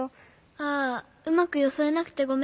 ああうまくよそえなくてごめんね。